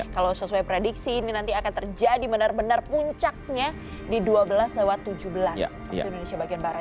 kalau sesuai prediksi ini nanti akan terjadi benar benar puncaknya di dua belas tujuh belas waktu indonesia bagian barat